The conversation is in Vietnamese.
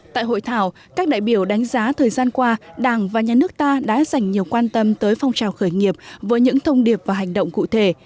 tại hội thảo các đại biểu đánh giá thời gian qua đảng và nhà nước ta đã dành nhiều quan tâm tới phong trào khởi nghiệp với những thông điệp và hành động cụ thể